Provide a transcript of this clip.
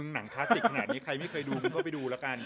หนังเคราะห์สิทธิ์ขนาดนี้ใครไม่เคยดูก็ไปดูและกัน